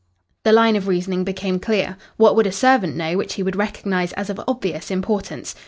The line of reasoning became clear. What would a servant know which he would recognise as of obvious importance?